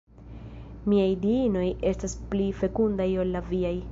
Miaj Diinoj estas pli fekundaj ol la viaj.